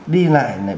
đi lại này